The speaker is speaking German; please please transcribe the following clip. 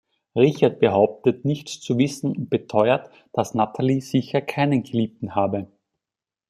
Richard behauptet nichts zu wissen und beteuert, dass Natalie sicher keinen Geliebten habe.